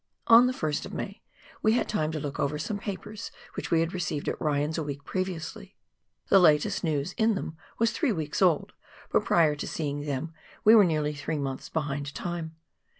On the 1st of May, we had time to look over some papers which we had received at Ryan's a week previously ; the latest news in them was three weeks old, but prior to seeing them, we were nearly three months behind time.